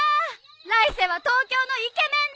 来世は東京のイケメン